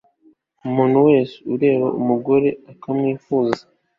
umuntu wese ureba umugore akamwifuza